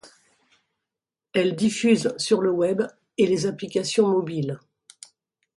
Elle diffuse sur le web et les applications mobiles.